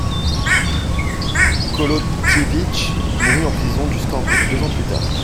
Kolodkievitch mourut en prison du scorbut deux ans plus tard.